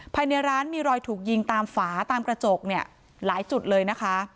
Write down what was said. ภายในร้านมีรอยถูกยิงตามฝาตามกระจกเนี่ยหลายจุดเลยนะคะ